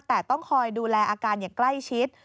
แต่ต้องคอยดูแลอาการอย่างใกล้ชิด